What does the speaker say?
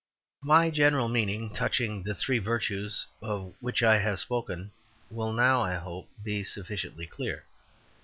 My general meaning touching the three virtues of which I have spoken will now, I hope, be sufficiently clear.